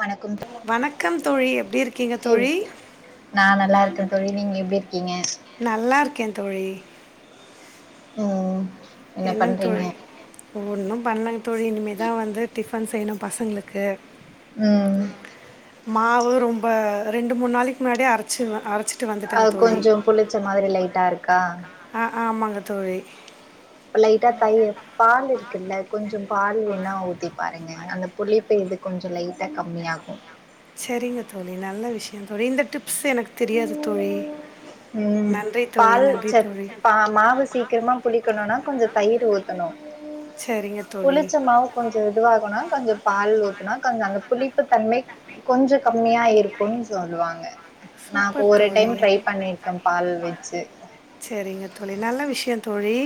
வணக்கம் தோ வணக்கம் தோழி எப்படி இருக்கீங்க எப் தோழி நா நல்லாருக்கே தோழி நீங்க எப்டி இரு நல்லாருக்கே தோழி உஹ்ம் என்னங் தோழி ஒன்னும் பண்லங்க தோழி இனிமேதா வந்து டிஃப் ஃபன் செய்ணு பசங்களுக்கு உம் மாவு ரொம்ப ரெண்டு மூண் நாளக்கி முன்னாடியே அரச்சிருவ அரச்சு அது கொஞ்சோ புளிச்ச மாதிரி லைட்டா இருக் கா அ அ ஆமாங்க தோழி அப்ப லைட்டா தயி பாலிருக் க்குல்ல கொஞ்சம் பால் வேணா ஊத்தி பாருங்க அந்த புளிப்பு இது கொஞ்சொ லைட்டா கம்மியாகு செரிங்க தோழி நல்ல விஷயொ தோழி இந்த டிப் ப்ஸ் எனக்கு தெரியாது தோழி உம் நன்றி தோழி பால் நன்றி செத் தோழி ப மாவு சீக்கிரமா புளிக்கணுனா கொஞ்சொ தயிரு ஊத் த்தணு சரிங்க தோழி புளிச்ச மாவு கொஞ்சொ இதுவாகுனா கொஞ்சொ பால் ஊத்துனா காங்க அந்த புளிப்பு தன்மை கொஞ்சொ கம்மியா இருக்குன் சொல்லுவாங்க நா சூப்பர் ஒரு டைம் தோழி ட்ரை பண்ணிருக்க பால் வெச்சு சரிங்க தோழி நல்ல விஷயம் தோழி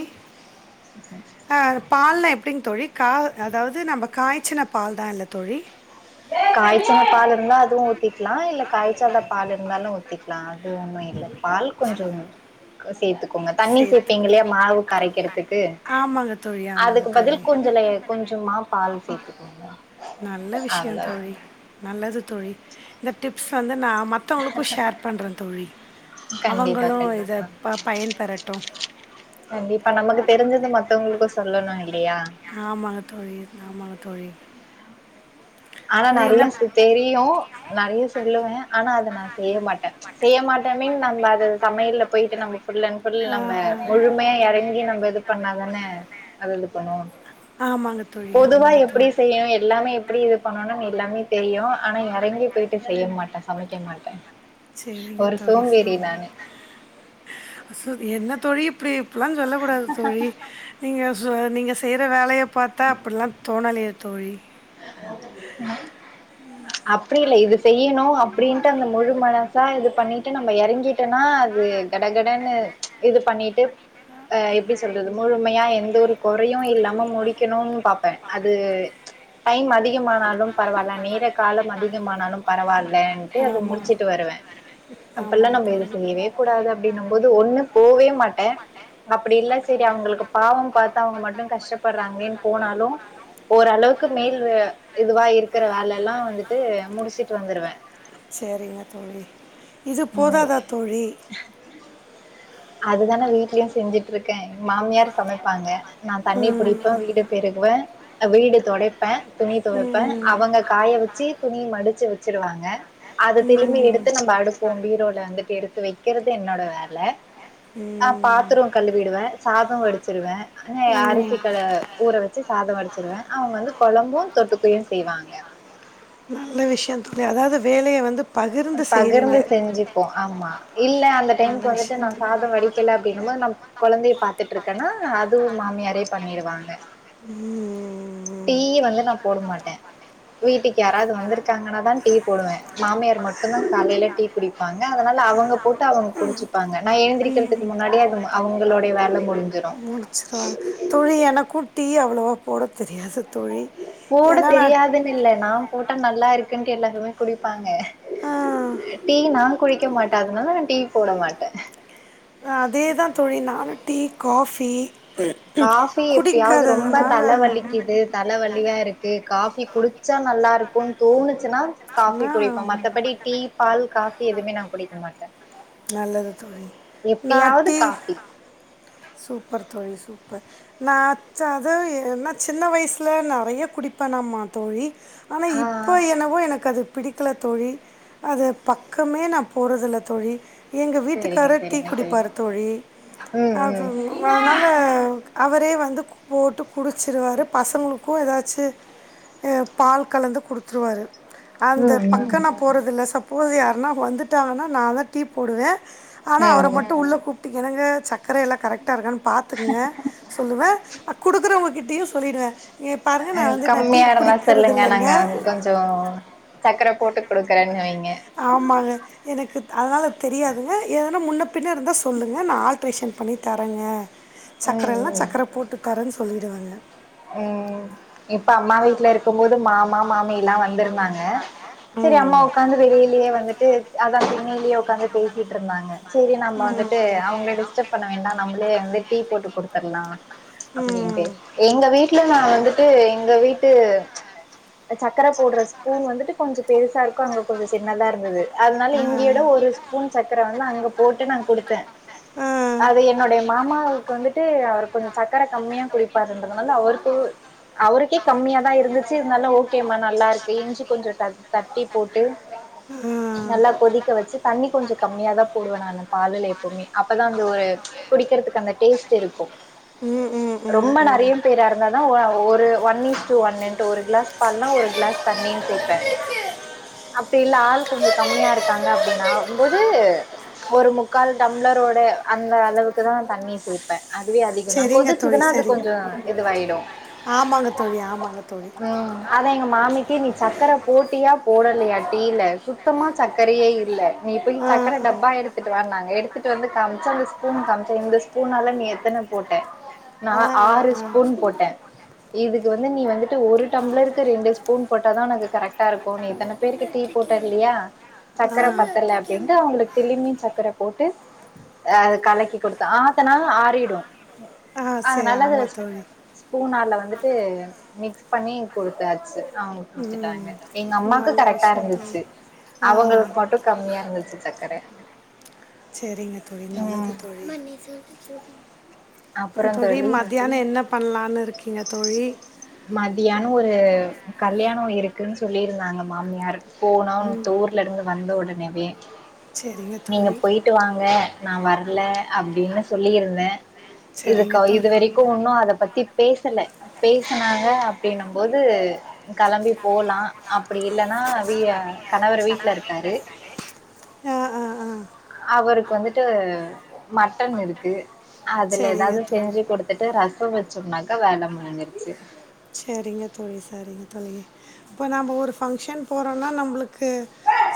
டிங் தோழி கா அதாவ்து நம்ம காய்ச்சின பால் தா இல்ல தோழி க்லா இல்ல காய்ச்சாத பால் இருந்தாலு ஊத்திக் க்லா அது ஒன்னு இல்ல பால் கொஞ்சொ க சேத்து கோங்க தண்ணி சேர்த்து சேப்பீங்க இல்லையா மாவு கரைக்கெற்துக்கு ஆமாங்க தோழி ஆமாங்க அதுக்கு தோழி பதில் கொஞ்சொ லெ கொஞ்சமா பால் சேத்துக்கோங்க விஷ்யொ அவ்ளோதா தோழி நல்லது தோழி இந்த டிப்ஸ் வந்து நா மத்தவங்களுக்கு ஷேர் பண்ற தோழி கண்டிப்பா அவங்களு கண்டிப்பா இதப் ப பயன் பெறட் கண்டிப்பா நமக்கு தெரிஞ்சது மத்தவங்களுக்கு சொல்லணு இல் ஆமாங்க தோழி ஆமாங்க தோழி. ஆனா தோழி நெறைய என்ன சு தெரியு நெறைய சொல்லுவே ஆனா அத நா செய்ய மாட்டே செய்ய மாட்டே மீன் நா இல்ல அது சமையல போயிட்டு நம்ம ஃபுல் அண்ட் ஃபுல் ஆ, நம்ம முழுமையா எறங்கி நம்ம இது பண்ணா அதனே அத [unintelligible] பண்ணுவோ ஆமாங்க தோழி பொதுவா ஆமாங்க தோழி. எப்டி செய்யணு எல்லாமே எப்டி இது எல்லாமே தெரியு ஆனா எறங்கி போயிட்டு செய்ய மாட்டே சமைக்க மாட்டே. செரிங்க ஒரு தோழி சோம்பேறி செரிங்க நானு தோழி சோ என்ன தோழி ப்டி இப்பல்லா சொல்லக் கூடாது தோழி நீங்க சோ நீங்க செய்யற வேலையப் பாத்தா அப்டிலா தோணலியே தோழி. [unintelligible] அப்டி இல்ல இது செய்யணு அப்படின்ட்டு அந்த முழு மனசா இது பண்ணிட்டு நம்ம இறங்கிட்டோனா அது கடகடன்னு இது பண்ணிட்டு அஹ் எப்டி சொல்றது முழுமையா எந்த ஒரு கொறையு இல்லாம முடிக்கணும்னு பாப்பே அது டைம் அதிகமானாலு பரவாயில்ல நேர காலம் அதிகமானாலும் பரவாயில் லேண்டு அத ஆமா. முடிச்சிட்டு வருவே அப்ல்லாம் ஆமாங்க நம்ம இது தோழி. செய்யவே கூடாது அப்டினும் போது ஒண்ணு போவே மாட்டே அப்டி இல்ல செரி அவங்களுக்கு பாவம் பாத்து அவங்க மட்டும் கஷ்டப்படுறாங்களேன்னு போனாலு ஓரளவுக்கு மேல் இதுவா இருக்கிற வேல எல்லா வந்துட்டு முடிச்சுட்டு வந்துடுவே. சரிங்க தோழி இது ம் போதாதா தோழி. அதுதானே வீட்லயு செஞ்சுட்டு இருக்கே மாமியார் சமைப்பாங்க. நா தண்ணி ம். புடிப்பேன் வீடு பெருகுவே வீடு தொடைப்பே துணி துவப்பே ம். அவங்க காய வச்சு துணி மடிச்சு வச்சிருவாங்க அத திலும்பி ம். எடுத்து நம்ம அடுக்குவோ பீரோல வந்து. எடுத்து வெக்கிறது என்னோட வேல ஆஹ் பாத்திரோ ம். கழுவிடுவே சாதோ வடிச்சிடுவே ஏ ம். அரிசி கல ஊற வ சாதோ வடுச்சிருவே அவங்க வந்து கொழம்பு தொட்டுக்கயு செய்வாங்க. நல்ல விஷயம் தோழி அதாவது வேலையை வந்து பகிர்ந்து செய்றீங்க. பகிர்ந்து செஞ்சுப்போ ஆமா இல்ல அந்த டைமுக்கு வந்துட்டு நா சாதோ வடிக்கலை அப்டின்னும் போது நா கொகுழந்தைய பாத்துட்டு இருக்கேன்னா அதுவு மாமியாரே பண்ணிடுவாங்க. ம். டீய வந்து நா போட மாட்டேன். வீட்டுக யாராவது வந்திருக்காங்கன்னா தா டீ போடுவே மாமியார் மட்டும்தா காலையில டீ குடிப்பாங்க அதனால அவங்க போட்டு அவங்க குடிச்சுப்பாங்க நா எழுந்திரிக்கிறதுக்கு முன்னாடியே அது அவங்களளுடைய வேல முடிஞ்சிரு. முடிச்சிருவாங்க. தோழி எனக்கும் டீ அவ்வளோவா போட தெரியாது தோழி ஏன்னா நா ட்டா நல்லா இருக்குன்ட்டு எல்லாருமே குடிப்பாங்க. ஆ. டீ னா குளிக்க மாட்டா அதுனால நா டீ போடமாட்டே அதேதா தோழி நானு டீ காஃபி காஃபீ எப்டியாவது ரொம்ப குடிக்காததுனால தல வலிக்குது தல வலியா இருக்கு காஃபீ குடுச்சா நல்லா இருக்குன்னு தோணுசுன்னா காஃபி சொன்னால் குடிப்போ மத்தபடி டீ பால் காஃபி எதுமே நா குடிக்க மாட்டே நல்லது தோழி நான் எப்பயாவது டீ காஃபி பர் நா அச்சா அது என்ன சின்ன வயசுல நெறைய குடிப்பநாமா தோழி ஆனா ஆ இப்ப என்னவோ எனக் அது பிடிக்கல தோழி அது பக்கமே நா போறதில்ல தோழி எங்க சரிங்க வீட்டுக்காரு டீ சரிங்க சரிங்க குடிபாரு தோழி ம் அது ம் அதுனால அவரே வந்து போட்டு குடிச்சிருவாரு பசங்களுக்கு ஏதாச்சு ஆஹ் பால் கலந்து குடுத்துருவாரு அந்த ம் பக்க ம் நா போறதில்ல சப் போஸ் யாருன்னா வந்துட்டாங்கன்னா நா தா டீ போடுவே ஆனா அவர ம் மட்டு உள்ள கூப்டு என்னங்க சக்கர எல்லா கரெக்டா இருக்காணு பாத்துகுங்க சொல்லுவே அ குடுக்குறவங்ககிட்டயு சொல்லிடுவே கம்மியா இருந்தா சொல்லுங்க இல்லைங்க நாங்க கொஞ்சோ சக்கர போட்டு குடுக்குறேன்னு வை ஆமாங்க எனக்கு அதுனால தெரியாதுங்க எதுனா முன்ன பின்ன இருந்தா சொல்லுங்க நா ஆல்ட்ரேஷன் பண்ணி தரங்க [inaudible] சக்கர ம் எல்லா ம் சக்கர போட்டு தரன்னு சொல்லிடுவங்க ம் இப்ப அம்மா வீட்ல இருக்குபோது மாமா மாமி எல்லா வந்திருந்தாங்க சரி அம்மா ம் உட்காந்து வெளிலயே வந்து வந்துட்டு அதான் திண்ணைலயே உக்காந்து பேசிட்ருந்தாங்க செரி நம்ம வந்துட்டு அவங்கல டிஸ்டர்ப் பண்ண வேண்டா நம்மளே வந்து டீ போட்டு குடுத்தற்லா அப்டின்ட்டு ம் வீட்ல நா வந்துட்டு எங்க வீட்டு சக்கர போடுற ஸ்பூன் வந்துட்டு கொஞ்சோ பெருசா இருக்கு அங்க கொஞ்சோ சின்னதா இருந்தது அதுனால ஆ இங்கயோட ஒரு ஸ்பூன் சக்கர வந்து அங்க போட்டு நா குடுத்தே அது ஆ என்னுடைய மாமாவுக்கு வந்துட்டு அவர் கொஞ்சோ சக்கர கம்மியா குடிப்பார் அப்டின்றதுனால அவருக்கு அவருக்கே கம்மியா தா இருந்துச்சு இருந்தாலு ஓகே மா நல்லா இருக்கு இஞ்சி கொஞ்சோ த தட்டி போட்டு ஆ நல்லா கொதிக்க வச்சு தண்ணி கொஞ்சோ கம்மியா தா போடுவே நானு பாலுல எப்போமே அப்பதா அந்த ஒரு ச் குடிக்கறதுக்கு அந்த டேஸ்ட் இருக்கு ம் ம் ம் ரொம்ப நல் ம் நெறைய பேரா இருந்தா தான் ஒரு ஒன் இஸ் டூ ஒன்னுட்டு ஒரு கிளாஸ் பால்னா ஒரு கிளாஸ் தண்ணியும் சேப்பேன் அப்டி இல்ல ஆள் கொஞ்சோ கம்மியா இருக்காங்க அப்டின்னா ஒது ஒரு முக்கால் டம்ளரோட அந்த அளவுக்கு தான் தண்ணி சேப்பேன் அதுவே அதிகம் தான் சரிங்க தோழி கொதிச்சுதுன்னா அது சரி கொஞ்ச இதுவாயிடும் ஆமாங்க தோழி ஆமாங்க தோழி உம் அத எங்க மாமிக்கு நீ சக்கர போ போட்டியா போடலையா டீல சுத்தமா சக்கரையே இல்ல நீ போய் ஆ சக்கர டப்பா எடுத்துட்டு வாண்ணாங்க எடுத்துட்டு வந்து காம்ச்சா அந்த ஸ்பூன் காமிச்சா இந்த ஸ்பூனால நீ எத்தன போட்டே ஆ நான் ஆ ஆறு ஆ ஸ்பூன் போட்டேன் இதுக்கு வந்து நீ வந்துட்டு ஒரு டம்ப்ளர்க்கு ரெண்டு ஸ்பூன் போட்டாதான் உனக்கு கரெக்டா இருக்கும் நீ இத்தனை பேருக்கு டீ போட்ட இல்லையா ஆ சக்கர பத்தல அப்படின்ட்டு அவங்களுக்கு திருமியு சக்கர போட்டு் அ கலக்கி கொடுத்தே ஆத்துனா ஆறிடும் ஆ சரி நல்லது ஆமாம் தோழி ஸ்பூன் ஆல வந் வந்துட்டு மிக்ஸ் பண்ணி கொடுத்தாச்சு அவங்க ம் குடுத்துட்டாங்க எங்க அம்மாக்கு நல்ல கரெக்டா விஷயம் தோழி இருந்துச்சு ஆ அவங்களுக்கு மட்டும் கம்மியா இருந்துச்சு சக்கர சரிங்க தோழி நல்லது ம் தோழி தோழி மறந் மதியானம் என்ன பண்ணலான்னு இருக்கீங்க தோழி மதியானம் ஒரு கல்யாணம் இருக்குன் சொல்லிருந்தாங்க மாமியார் போனோ இந்த ஊர்ல இருந்து வந்த உடனே வே சரிங்க நீங்க தோழி போயிட்டு வாங்க நான் வரல அப்படின்னு சொல்லியிருந்தேன் சரிங்க இதுக்கு தோழி இதுவரைக்கும் ஒன்னும் அத பத்தி பேசல பேசனாங்க அப்படின்னும் போது கெளம்பி போலாம் அப்படி இல்லனா விய கணவர் வீட்டுல இருக்காரு ஆ ஆ ஆ அவருக்கு வந்துட்டு மட்டன் இருக்கு அதுல சரிங்க ஏதாவது தோழி செஞ்சு கொடுத் ரசம் வச்சோம்னாக்கா வேலை முடிஞ்சிருச்சு சரிங்க தோழி சரிங்க தோழி இப்போ நம்ம ஒரு ஃபங்க்ஷன் போறோம்னா நம்மளுக் க்கு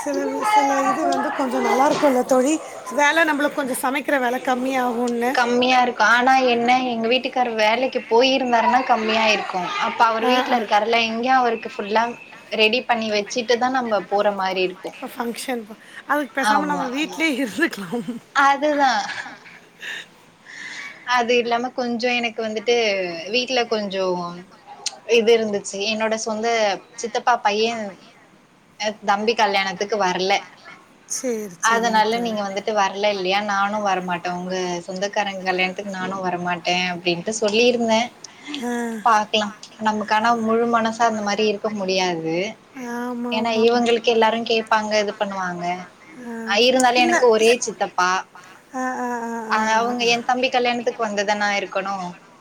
சில சில இது வந்து கொஞ்ச நல்லாயிருக்குமல தோழி வேலை நம்மளுக்கு கொஞ்ச சமைக்கிற வேலை கம்மியாவு கம்மியா இருக்கு ஆனா என்ன எங்க வீட்டுக்கார் வேலைக்கு போயிருந்தாருன்னா கம்மியா இருக்கு இப்ப அவர் ஆ வீட்டுல ஆ இருக்காருல அங்கயும் அவருக்கு புல்லா ரெடி பண்ணி வச்சிட்டு தான் நம்ம போற மாரி இருக் இப்போ ஃபங்க்ஷன் போ அதுக்கு பேசாம நம்ம வீட்லயே இருந்துக்லாம் அதுதான் அது இல்லாம கொஞ்ச எனக்கு வந்துட்டு வீட்டுல கொஞ்ச இது இருந்துச்சு என்னோட சொந்த சித்தப்பா பையன் தம்பி கல்யாணத்துக்கு வரல சரி சரிங்க அதனால தோழி நீங்க வந்துட்டு வரல ல இல்லையா நானும் வரமாட்டேன் உங்க சொந்தக்காரன் கல்யாணத்துக்கு நானும் வரமாட்டேன் அப்படின்ட்டு சொல்லிருந்தேன் ஆ பாக்கலாம் நமக்கானா முழு மனசா அந்த மாதிரி இருக்க முடியாது ஏன்னா ஆமாம் ஆமாம் இவங்களுக்கு எல்லாரும் கேட்பாங்க இது பண்ணுவாங்க ஆ இருந்தாலே எனக்கு ஒரே இல்லை சித்தப்பா ஆ அவுங்க ஏ தம்பி கல்யாணத்துக்கு வந்துதான இருக்கணு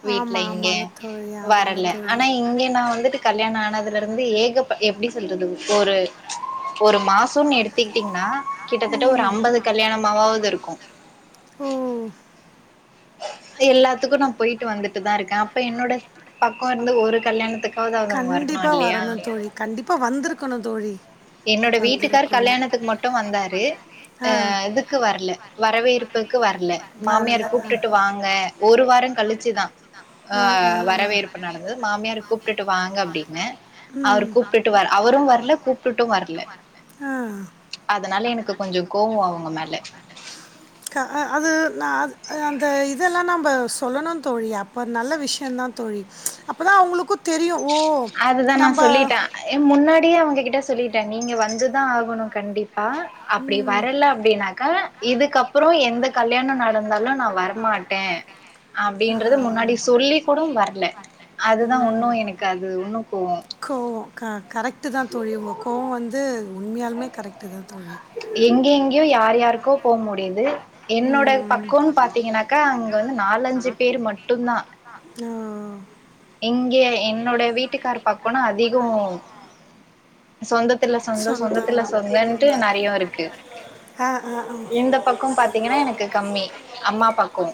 வீட் ஆமா லைங்க ஆமாங்க தோழி ஆமாங்க வரல தோழி ஆனா இங்க நா வந்துட்டு கல்யாணோ ஆனதுக் லருந்து ஏகப்ப எப்டி சொல்றது ஒரு ஒரு மாசோம்னு எடுத்துக்கிட்டீங்னா கிட்டத்தட்ட ஒரு ஆம்பது கல்யாணமாவாது இருக்கூ ஓ எல்லாத்துக்கூ நா போயிட்டு வந்துட்டுதாருக்கே அப்ப என்னோட பக்கோருந்து ஒரு கல்யாணத்துக் கண்டிப்பா வரணு தோழி கண்டிப்பா வந்திருக்கணு தோழி என்னோட வீட்டுக்கார் வந்திருக்கணும் கல்யாணத்துக்கு மட்டூ வந்தாரு ஆ இதுக்கு வர்ல வரவேற்புக்கு வர்ல மாமியார வரல கூப்டுட்டு வாங்க ஒரு வாரோ கழிச்சுதா ஆ வரவேற்பு நடந்து மாமியார கூப்டுட்டு வாங்க அப்டின்னு அவர் ம் கூப்டுட்டு வ அவரூ வர்ல கூப்டுட்டூ வர்ல ஆ அதனால எனக்கு கொஞ்சோ கோவோ அவுங்க மேல இ நா அத் அந்த இதல்லா நம்ப சொல்லணூதோழி அப்ப நல்ல விஷ்யந்தா தோழி அப்பதா அவுங்களுக்குத் அதுதா நா சொல்லிட்ட ஏ முன்னாட் ப்பயே அவுங்ககிட்ட சொல்லிட்டே நீங்க வந்துதா ஆகணு கண்டிப்பா அப்டி வரல அப்டினாக்கா இதுக்கப்றோ எந்த கல்யாணோ நடந்தாலூ நா வரமாட்டே அ அப்டின்றது முன்னாடி சொல்லி கூட வர்ல அதுதா உன்னோ எனக் கு அது உன்னோ கோவோ ஆ கரெக்ட்டு தா தோழி உங்க கோவோ வந்து உண்மையாலுமே கரெக்டு தா தோழி எங்கே எங்கேயோ யார் யாருக்கோ போ முடியுது என்னோட பக் ம். க்கோன்னு பாத்தீங்கன்னாக்கா அங்க வந்து நாலஞ்சு பேரு மட்டுந்தா ஓ! இங்கே என்னோட வீட்டுக்கார் பக்கோனா அதிகோ சொந்தத் துல சொந்தோ சொந்தம். சொந்தத்துல சொந்தோன்ட்டு நறைய இருக்கு அ, அ, அ. இந்த பக்கோ பாத்தீங்கனா எனக்கு கம்மி அம்மா பக்கோ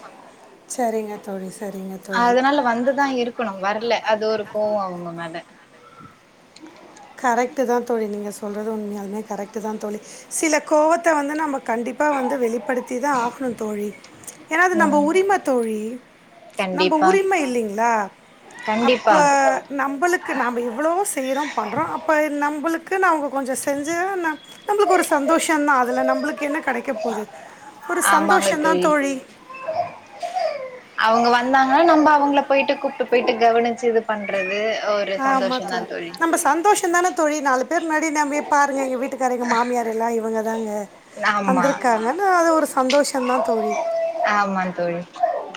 சரிங்க தோழி, சரிங்க தோழி. அதனால வந்துதா இருக்கணு வரல அது ஒரு கோவோ அவுங்க மேல கரெக்ட் தா தோழி நீங்க ஸ் சொல்றது உண்மையாலுமே கரெக்ட் தா தோழி சில கோவத்த வந்து நம்ம கண்டிப்பா வந்து வெளிப்படுத்தி தா ஆகணு தோழி ஏனா அது நம்ம ம் உரிம தோழி நம்ம கண்டிப்பா உரிம இல்லிங்களா கண்டிப்பா அப்போ நம்மளுக்கு நாம எவ்வளவோ செய்றோ பண்றோ அப்ப நம்புளுக் குனு அவுங்க கொஞ்சோ செஞ்சா என்ன நம்ளுக்கு ஒரு சந்தோஷந்தா அதுல நம்ளுக்கு என்ன கெடைக்க போது ஒரு சந்தோஷந்தா தோழி அவுங்க வந்தாங்கன்னா நம்ம அவுங்கள போயிட்டு கூப்டு போயிட்டு கவனிச்சு இது பண்றது ஒரு ஆமா சந்தோஷந்தா தோழி நம்ம சந்தோஷோ தான தோழி நாலுப் பேர் முன்னாடி நம்யெப் பாருங்கள் எங்க வீட்டுக்காரு எங்க மாமியார் எல்லா இவங்க தாங்க வந்திருக்காங்கன்ன அது ஒரு ஸ் ஆமான் தோழி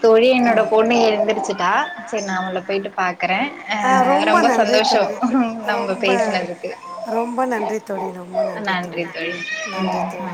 தோழி என்னோட பொண்ணு எழுந்துருச்சு ட்டா செரி நா அவங்கள போயிட்டு பாக் ஆ ரொம்ப நன்றி தோழி நம்ம ரொம்ப பேசுனதுக்கு ரொம்ப நன்றி தோழி ரொம்ப நன்றி தோழி நன்றி தோழி